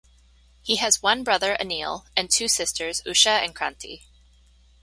He has one brother Anil and two sisters Usha and Kranti.